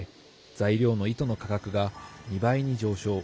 材料の糸の価格が２倍に上昇。